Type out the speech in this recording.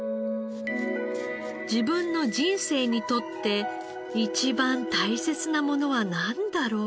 自分の人生にとって一番大切なものはなんだろうか？